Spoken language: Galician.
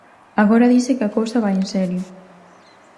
Agora dise que a cousa vai en serio.